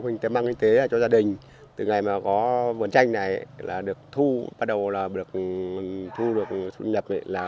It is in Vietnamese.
mình đang mang kinh tế cho gia đình từ ngày mà có vườn chanh này bắt đầu thu được thu nhập